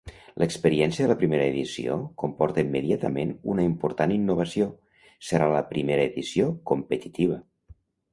L'experiència de la primera edició comporta immediatament una important innovació: serà la primera edició competitiva.